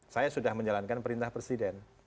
saya sudah menjalankan perintah presiden